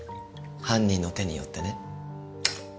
犯人の手によってね。